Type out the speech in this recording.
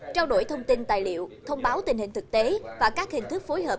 trao đổi thông tin tài liệu thông báo tình hình thực tế và các hình thức phối hợp